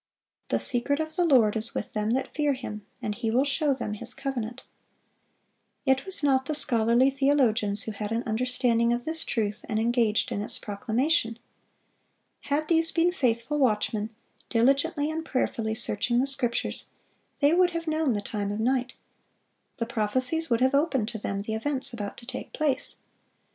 "The secret of the Lord is with them that fear Him; and He will show them His covenant."(507) It was not the scholarly theologians who had an understanding of this truth, and engaged in its proclamation. Had these been faithful watchmen, diligently and prayerfully searching the Scriptures, they would have known the time of night; the prophecies would have opened to them the events about to take place.